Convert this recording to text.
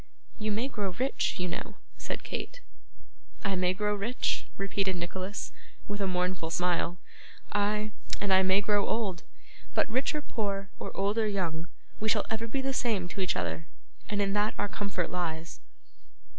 'You may grow rich, you know,' said Kate. 'I may grow rich!' repeated Nicholas, with a mournful smile, 'ay, and I may grow old! But rich or poor, or old or young, we shall ever be the same to each other, and in that our comfort lies.